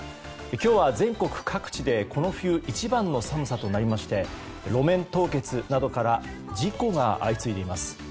今日は全国各地でこの冬一番の寒さとなりまして路面凍結などから事故が相次いでいます。